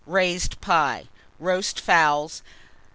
Raised Pie. Roast Fowls.